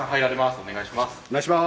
お願いします。